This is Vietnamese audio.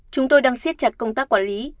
chúng tôi đang siết chặt công tác quản lý